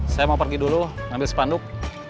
saya mau pergi dulu ngambil sepanduk